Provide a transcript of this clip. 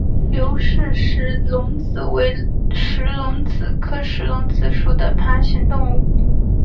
刘氏石龙子为石龙子科石龙子属的爬行动物。